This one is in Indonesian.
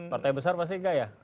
partai besar pasti enggak ya